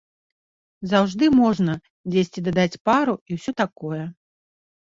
Заўжды можна дзесьці дадаць пару і ўсе такое.